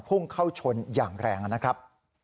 พุ่งเข้าชนอย่างแรงนะครับ